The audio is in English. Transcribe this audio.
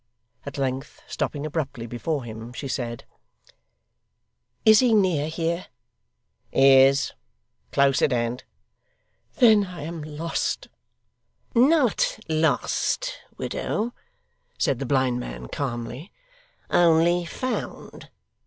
At length, stopping abruptly before him, she said: 'Is he near here?' 'He is. Close at hand.' 'Then I am lost!' 'Not lost, widow,' said the blind man, calmly; 'only found.